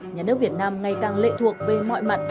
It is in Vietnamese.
nhà nước việt nam ngày càng lệ thuộc về mọi mặt